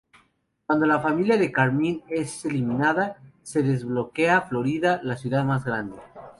Cuando la familia de Carmine es eliminada se desbloquea Florida, la ciudad más grande.